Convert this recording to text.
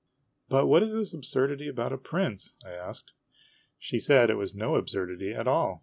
" But what is this absurdity about a prince? " I asked. She said it was no absurdity at all.